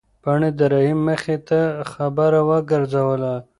پاڼې د رحیم مخې ته خبره ورګرځوله.